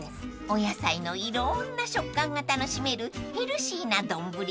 ［お野菜のいろんな食感が楽しめるヘルシーな丼です］